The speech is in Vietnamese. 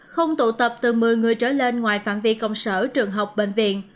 không tụ tập từ một mươi người trở lên ngoài phạm vi công sở trường học bệnh viện